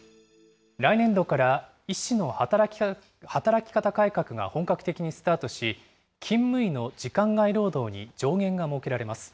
来年度から医師の働き方改革が本格的にスタートし、勤務医の時間外労働に上限が設けられます。